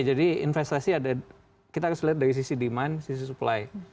jadi investasi ada kita harus lihat dari sisi demand sisi supply